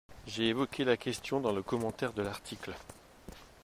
J’ai évoqué la question dans le commentaire de l’article.